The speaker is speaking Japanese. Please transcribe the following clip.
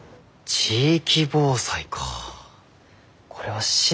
地域防災か。